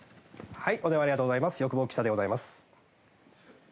はい。